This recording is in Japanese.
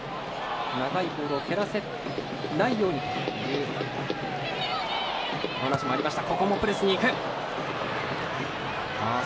長いボールを蹴らせないようにというお話もありました。